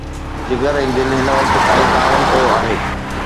جگر ۽ دل هن وقت تائين تعاون ڪيو آهي.